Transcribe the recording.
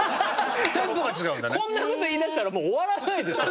こんな事言いだしたらもう終わらないですよ。